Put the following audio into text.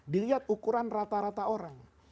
dilihat ukuran rata rata orang